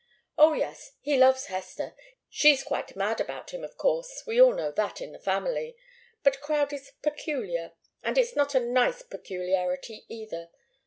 Oh, yes! he loves Hester. She's quite mad about him, of course. We all know that, in the family. But Crowdie's peculiar and it's not a nice peculiarity, either.